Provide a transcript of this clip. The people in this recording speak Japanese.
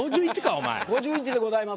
お前。